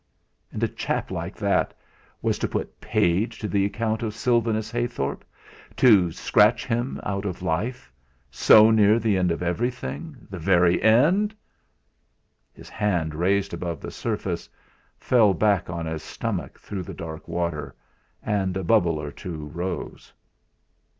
And a chap like that was to put "paid" to the account of Sylvanus Heythorp, to "scratch" him out of life so near the end of everything, the very end! His hand raised above the surface fell back on his stomach through the dark water, and a bubble or two rose.